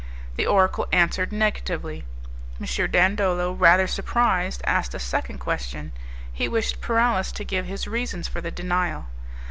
The oracle answered negatively. M. Dandolo, rather surprised, asked a second question: he wished Paralis to give his reasons for the denial.